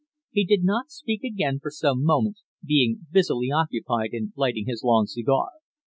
He did not speak again for some moments, being busily occupied in lighting his long cigar.